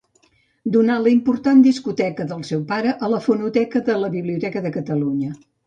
Donà la important discoteca del seu pare a la Fonoteca de la Biblioteca de Catalunya.